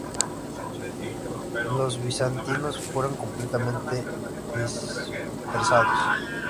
Los bizantinos fueron completamente dispersados.